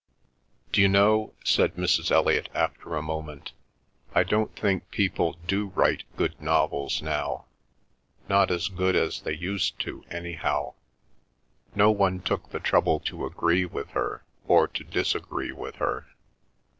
"D'you know," said Mrs. Elliot, after a moment, "I don't think people do write good novels now—not as good as they used to, anyhow." No one took the trouble to agree with her or to disagree with her.